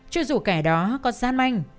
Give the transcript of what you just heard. chưa dù kẻ đó có gian manh